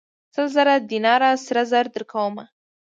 سل زره دیناره سره زر درکوم.